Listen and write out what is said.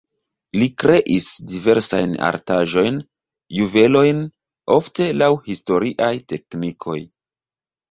Li kreis diversajn artaĵojn, juvelojn ofte laŭ historiaj teknikoj.